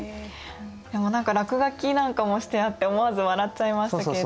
でも何か落書きなんかもしてあって思わず笑っちゃいましたけれども。